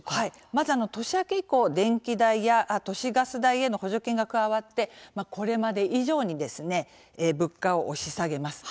まず、年明け以降電気代や都市ガス代への補助金が加わって、これまで以上に物価を押し下げます。